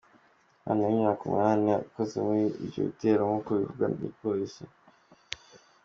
Akana k'imyaka umunani karokotse muri ivyo bitero, nk'uko bivugwa n'igipolisi.